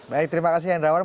baik terima kasih endrawan